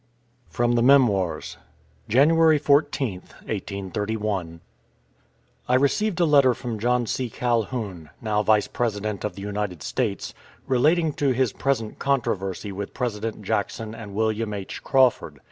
FROM THE MEMOIRS JANUARY 14TH, 1831. I received a letter from John C. Calhoun, now Vice President of the United States, relating to his present controversy with President Jackson and William H. Crawford.